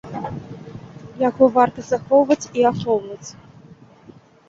Яго варта захоўваць і ахоўваць.